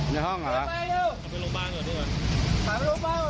ในห้องเหรอ